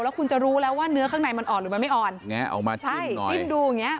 แล้วคุณจะรู้แล้วว่าเนื้อข้างในมันอ่อนหรือมันไม่อ่อนแงะออกมาใช่จิ้มดูอย่างเงี้